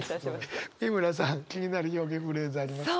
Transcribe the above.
美村さん気になる表現フレーズありますか？